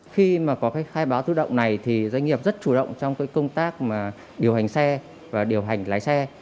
khi mà có cái khai báo tự động này thì doanh nghiệp rất chủ động trong cái công tác mà điều hành xe và điều hành lái xe